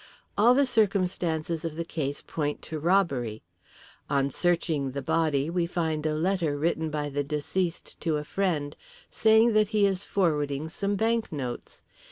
All the circumstances of the case point to robbery. On searching the body we find a letter written by the deceased to a friend saying that he is forwarding some banknotes.